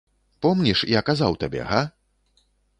Помніш, я казаў табе, га?